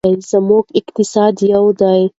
زموږ اقتصاد یو دی.